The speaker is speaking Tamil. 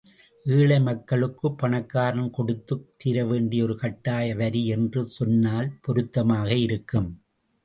ஏழை மக்களுக்குப் பணக்காரன் கொடுத்துத் தீரவேண்டிய ஒரு கட்டாய வரி என்று சொன்னால் பொருத்தமாக இருக்கும்.